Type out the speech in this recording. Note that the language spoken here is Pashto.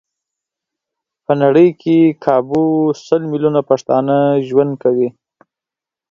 په نړۍ کې کابو سل ميليونه پښتانه ژوند کوي.